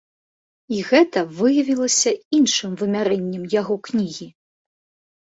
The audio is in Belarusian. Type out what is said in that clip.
І гэта выявілася іншым вымярэннем яго кнігі.